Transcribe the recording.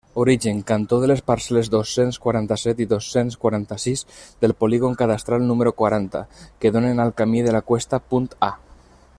Origen: cantó de les parcel·les dos-cents quaranta-set i dos-cents quaranta-sis del polígon cadastral número quaranta, que donen al camí de la Cuesta, punt A.